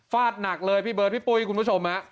หนักเลยพี่เบิร์ดพี่ปุ้ยคุณผู้ชม